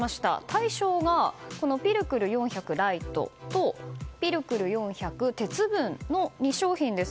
対象がピルクル４００Ｌｉｇｈｔとピルクル４００鉄分の２商品です。